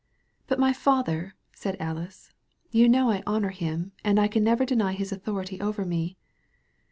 "But my father!" said Alice. "You know I honor him, and I can never deny his authority over me.